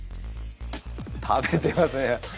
食べてますね。